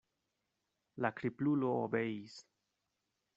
La kriplulo obeis.